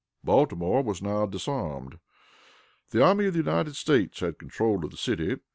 Baltimore was now disarmed. The Army of the United States had control of the city.